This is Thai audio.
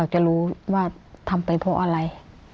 จะรู้ว่าทำไปเพราะอะไร